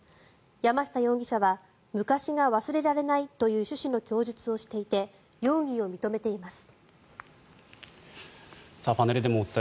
山下容疑者は昔が忘れられないという趣旨の供述をしていて容疑を認めています。